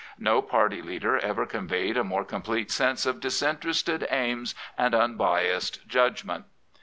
No party leader ever conveyed a more complete sense of disinterested aims and unbiassed judgment.